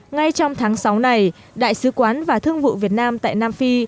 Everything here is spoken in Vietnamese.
ngay trong tháng sáu này đại sứ quán và thương vụ việt nam tại nam phi